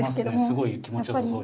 すごい気持ちよさそうに寝てる。